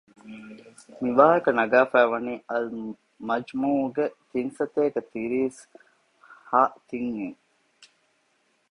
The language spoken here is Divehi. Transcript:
މިވާހަކަ ނަގާފައިވަނީ އަލްމަޖްމޫޢުގެ ތިންސަތޭކަ ތިރީސް ހަ ތިން އިން